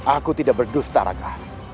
aku tidak berdusta raka